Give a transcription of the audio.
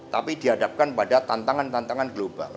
tapi dihadapkan pada tantangan tantangan global